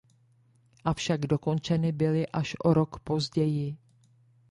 Avšak dokončeny byly až o rok později.